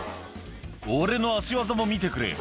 俺の足技も見てくれ。